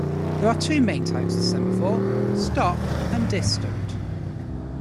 There are two main types of semaphore; stop and distant.